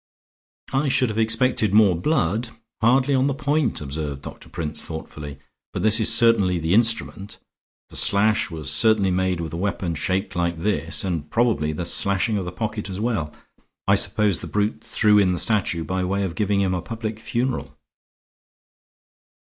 "I should have expected more blood, hardly on the point," observed Doctor Prince, thoughtfully, "but this is certainly the instrument. The slash was certainly made with a weapon shaped like this, and probably the slashing of the pocket as well. I suppose the brute threw in the statue, by way of giving him a public funeral."